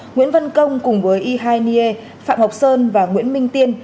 nguyễn văn công cùng với y hai niê phạm ngọc sơn và nguyễn minh tiên